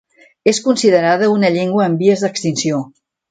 És considerada una llengua en vies d'extinció.